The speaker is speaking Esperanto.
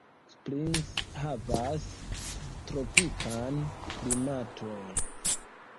Springs havas subtropikan klimaton.